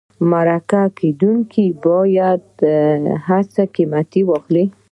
مرکه کېدونکی باید د هڅو قیمت واخلي.